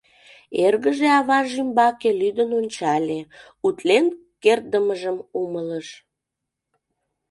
Эргыже аваж ӱмбаке лӱдын ончале, утлен кертдымыжым умылыш.